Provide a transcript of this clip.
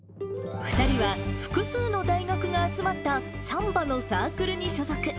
２人は複数の大学が集まったサンバのサークルに所属。